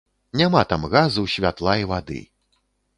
Няма там газу, святла і вады.